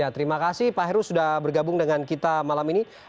terima kasih pak heru sudah bergabung dengan kita malam ini